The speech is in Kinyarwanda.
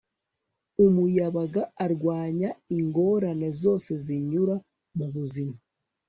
umuyabaga arwanya ingorane zose zinyura mubuzima